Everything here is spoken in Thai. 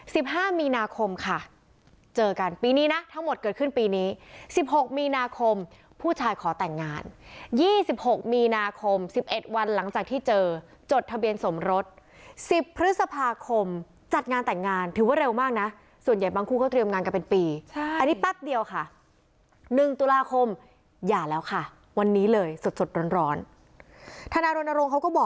ห้ามีนาคมค่ะเจอกันปีนี้นะทั้งหมดเกิดขึ้นปีนี้สิบหกมีนาคมผู้ชายขอแต่งงานยี่สิบหกมีนาคมสิบเอ็ดวันหลังจากที่เจอจดทะเบียนสมรสสิบพฤษภาคมจัดงานแต่งงานถือว่าเร็วมากนะส่วนใหญ่บางคู่เขาเตรียมงานกันเป็นปีใช่อันนี้แป๊บเดียวค่ะหนึ่งตุลาคมหย่าแล้วค่ะวันนี้เลยสดสดร้อนร้อนธนารณรงเขาก็บ